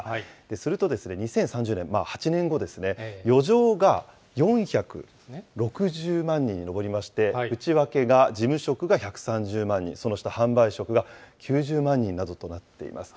すると２０３０年、８年後、余剰が４６０万人に上りまして、内訳が事務職が１３０万人、その下、販売職が９０万人などとなっています。